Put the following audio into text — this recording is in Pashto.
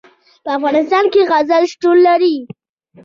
په افغانستان کې زغال شتون لري.